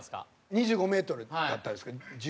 ２５メートルだったんですけど１２秒。